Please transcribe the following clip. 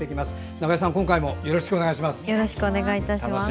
中江さん、今回もよろしくお願いします。